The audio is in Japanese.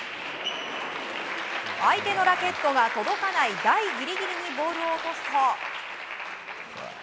相手のラケットが届かない台ギリギリにボールを落とすと。